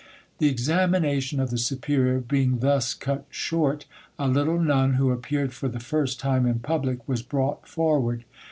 The examination of the superior being thus cut short, a little nun who appeared for the first time in public was brought forward.